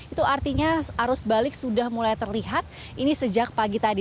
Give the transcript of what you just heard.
itu artinya arus balik sudah mulai terlihat ini sejak pagi tadi